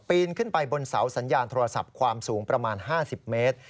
นขึ้นไปบนเสาสัญญาณโทรศัพท์ความสูงประมาณ๕๐เมตร